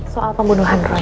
soal pembunuhan roy